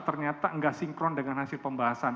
ternyata nggak sinkron dengan hasil pembahasan